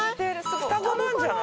双子なんじゃない？